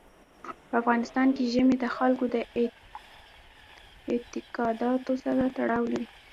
په افغانستان کې ژمی د خلکو د اعتقاداتو سره تړاو لري.